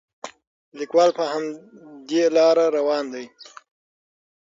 لیکوال په همدې لاره روان دی.